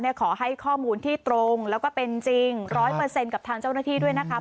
ขอให้ข้อมูลที่ตรงแล้วก็เป็นจริง๑๐๐กับทางเจ้าหน้าที่ด้วยนะคะ